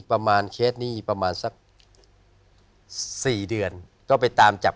เขาว่ายังไงครับ